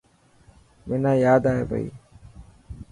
منا ياد ائي پئي.